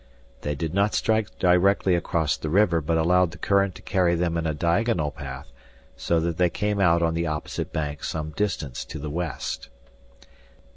They did not strike directly across the river but allowed the current to carry them in a diagonal path so that they came out on the opposite bank some distance to the west.